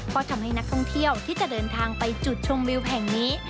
ก็ทำให้นักท่องเที่ยวที่จะเดินทางไปจุดชมวิวแห่งนี้